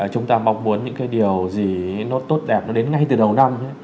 chúng ta mong muốn những cái điều gì nó tốt đẹp nó đến ngay từ đầu năm